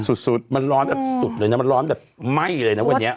สุดมันร้อนแบบสุดเลยนะมันร้อนแบบไหม้เลยนะวันนี้